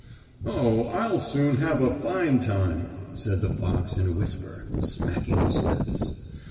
"Oh, I'll soon have a fine time!" said the fox in a whisper, smacking his lips.